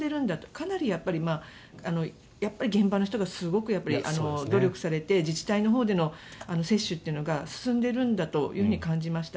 かなり現場の人がすごく努力されて自治体のほうでの接種が進んでいるんだと感じました。